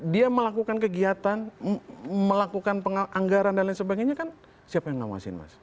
dia melakukan kegiatan melakukan anggaran dan lain sebagainya kan siapa yang ngawasin mas